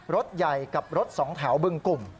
รถใหญ่กับรถสองแถวบึงกลุ่ม